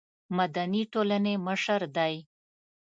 مدني ټولنې مشر دی.